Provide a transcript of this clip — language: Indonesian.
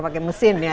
pakai mesin ya